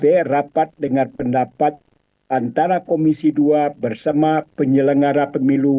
dp rapat dengan pendapat antara komisi dua bersama penyelenggara pemilu